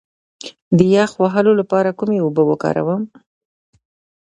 د یخ وهلو لپاره کومې اوبه وکاروم؟